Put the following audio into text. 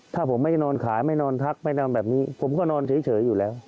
ถ้าผมไม่ได้นอนขายไม่นอนพักไม่นอนแบบนี้ผมก็นอนเฉยอยู่แล้ว